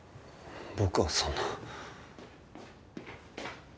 僕はそんな。